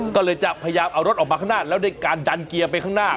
ก็เลยจะพยายามเอารถออกมาข้างหน้าแล้วได้การดันเกียร์ไปข้างหน้า